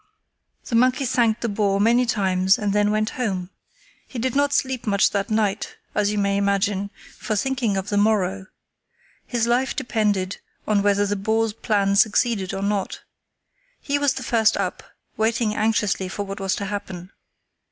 The monkey thanked the boar many times and then went home. He did not sleep much that night, as you may imagine, for thinking of the morrow. His life depended on whether the boar's plan succeeded or not. He was the first up, waiting anxiously for what was to happen.